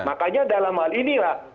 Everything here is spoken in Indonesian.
makanya dalam hal inilah